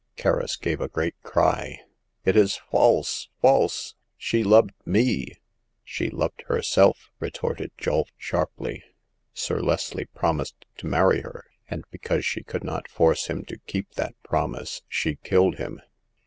Kerris gave a great cry. "It is false — false ! She loved me !"" She loved herself !" retorted Julf, sharply. Sir Leslie promised to marry her, and because she could not force him to keep that promise she killed him.